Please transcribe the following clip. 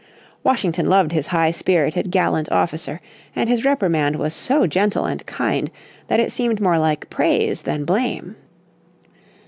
Washington loved his high spirited, gallant officer, and his reprimand was so gentle and kind that it seemed more like praise than blame.